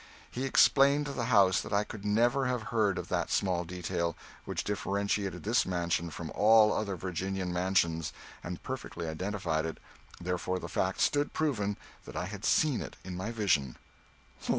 He explained to the house that I could never have heard of that small detail, which differentiated this mansion from all other Virginian mansions and perfectly identified it, therefore the fact stood proven that I had seen it in my vision.